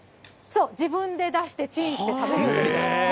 そう、自分で出してチンして食べるんですよ。